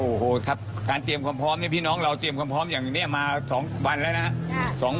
โอ้โหครับการเตรียมความพร้อมนี่พี่น้องเราเตรียมความพร้อมอย่างนี้มา๒วันแล้วนะครับ